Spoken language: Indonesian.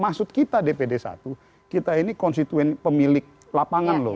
maksud kita dpd satu kita ini konstituen pemilik lapangan loh